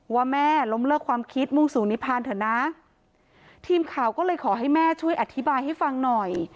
ว่าแม่ล้มเลิกความคิดมุ่งสู่นิพานเถอะนะทีมข่าวก็เลยขอให้แม่ช่วยอธิบายให้ฟังหน่อย